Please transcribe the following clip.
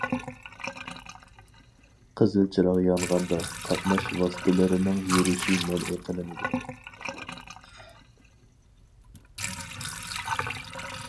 قىزىل چىراغ يانغاندا، قاتناش ۋاسىتىلىرىنىڭ يۈرۈشى مەنئى قىلىنىدۇ.